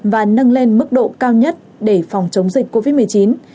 và nâng lên mức độ cao nhất để phòng chống dịch covid một mươi chín